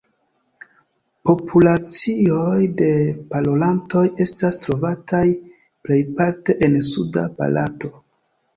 Populacioj de parolantoj estas trovataj plejparte en suda Barato.